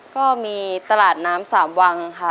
ก็มีตลาดน้ำสามวังค่ะ